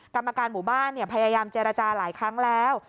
กรรมการหมู่บ้านพยายามเจรจาหลายครั้งแล้ว